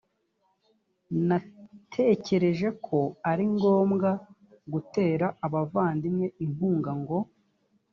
natekereje ko ari ngombwa gutera abavandimwe inkunga ngo